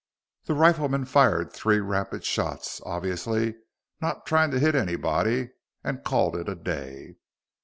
The rifleman fired three rapid shots, obviously not trying to hit anybody, and called it a day.